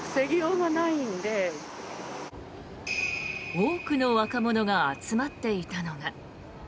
多くの若者が集まっていたのが。